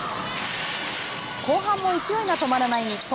後半も勢いが止まらない日本。